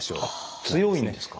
強いんですか。